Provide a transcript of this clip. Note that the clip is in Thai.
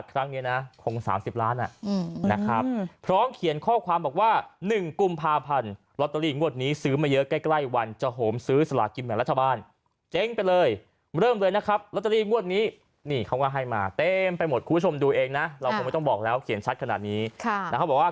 ครั้งเนี้ยนะคงสามสิบล้านอ่ะอืมนะครับพร้อมเขียนข้อความบอกว่า